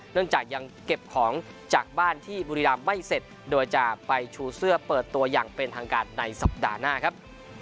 เนื่องจากยังเก็บของจากบ้านที่บุรีรำไม่เสร็จโดยจะไปชูเสื้อเปิดตัวอย่างเป็นทางการในสัปดาห์หน้าครับ